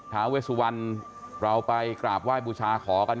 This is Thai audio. ท้าเวสุวรรณเราไปกราบไหว้บูชาขอกัน